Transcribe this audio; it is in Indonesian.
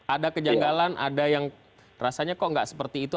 ada kejanggalan ada yang rasanya kok nggak seperti itu